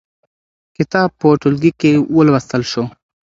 کتاب په ټولګي کې ولوستل شو.